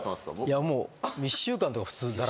いやもう。